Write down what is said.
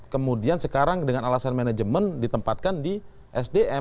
kemudian sekarang dengan alasan manajemen ditempatkan di sdm